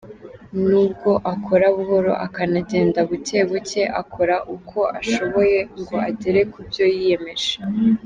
Nubwo akora buhoro, akanagenda bucye bucye akora uko ashoboye ngo agere ku byo yiyemeje.